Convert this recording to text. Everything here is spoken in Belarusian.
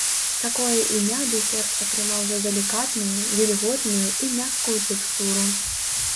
Такое імя дэсерт атрымаў за далікатную, вільготную і мяккую тэкстуру.